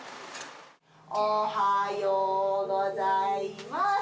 おはようございます。